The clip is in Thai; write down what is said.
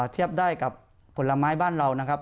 เทียบได้กับผลไม้บ้านเรานะครับ